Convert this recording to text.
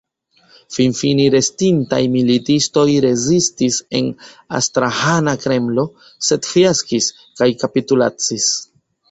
Finfine restintaj militistoj rezistis en Astraĥana Kremlo, sed fiaskis kaj kapitulacis.